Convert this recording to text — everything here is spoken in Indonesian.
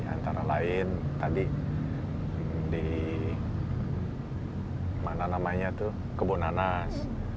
antara lain tadi di kebonanas